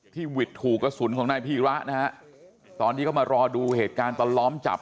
หวิดถูกกระสุนของนายพีระนะฮะตอนนี้ก็มารอดูเหตุการณ์ตอนล้อมจับ